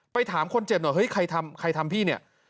ถามคนเจ็บหน่อยเฮ้ยใครทำใครทำพี่เนี่ย